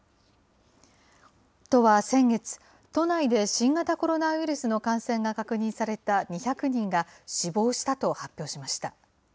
都は先月、都内で新型コロナウイルスの感染が確認された２００人が死亡したと発表しました。